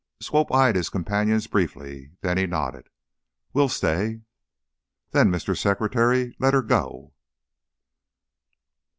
Swope eyed his companions briefly, then he nodded. "We'll stay." "Then, Mr. Secretary, let her go!"